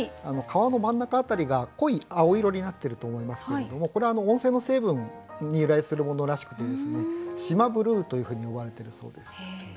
川の真ん中辺りが濃い青色になってると思いますけれどもこれは温泉の成分に由来するものらしくて四万ブルーというふうに呼ばれてるそうです。